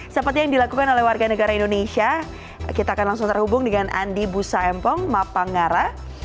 seperti yang dilakukan oleh warga negara indonesia kita akan langsung terhubung dengan andi busa empong mapangara